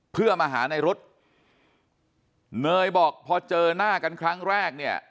เพื่อมาหาในรถเนยบอกพอเจอหน้ากันครั้งแรกเนี่ย